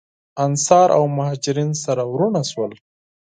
انصار او مهاجرین سره وروڼه شول.